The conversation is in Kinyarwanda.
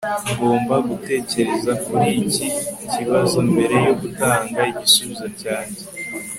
ngomba gutekereza kuri iki kibazo mbere yo gutanga igisubizo cyanjye